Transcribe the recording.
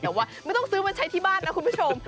แต่ว่าไม่ต้องซื้อมาใช้ที่บ้านนะคุณผู้ชม